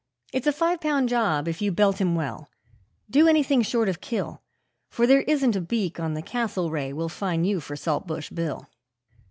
It's a five pound job if you belt him well do anything short of kill, For there isn't a beak on the Castlereagh will fine you for Saltbush Bill.'